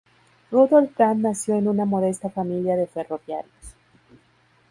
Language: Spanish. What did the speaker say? Rudolf Brandt nació en una modesta familia de ferroviarios.